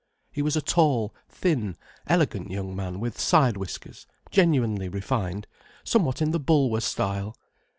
He was a tall, thin, elegant young man with side whiskers, genuinely refined, somewhat in the Bulwer style.